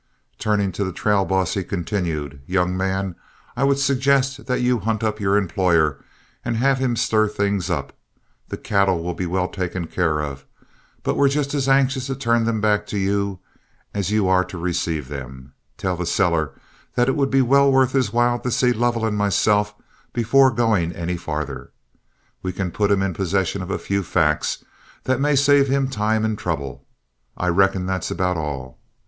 Turning to the trail boss he continued: "Young man, I would suggest that you hunt up your employer and have him stir things up. The cattle will be well taken care of, but we're just as anxious to turn them back to you as you are to receive them. Tell the seller that it would be well worth his while to see Lovell and myself before going any farther. We can put him in possession of a few facts that may save him time and trouble. I reckon that's about all.